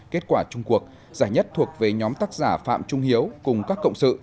kết quả chung cuộc giải nhất thuộc về nhóm tác giả phạm trung hiếu cùng các cộng sự